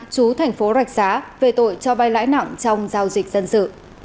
chú thành phố rạch giá về tội cho vai lãi nặng trong giao dịch dân sự